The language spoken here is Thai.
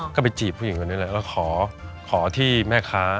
ก็ไปจีบผู้หญิงกันแล้วไงแล้วขอที่แม่ค้า